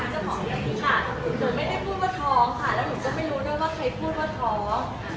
หนูไม่ได้พูดว่าท้องค่ะและหนูก็ไม่รู้ด้วยว่าใครพูดว่าท้อง